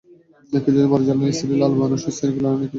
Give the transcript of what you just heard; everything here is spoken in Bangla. কিছুদিন পরে জয়নালের স্ত্রী লাল বানুও স্থানীয় ক্লিনিকে আয়ার কাজ পায়।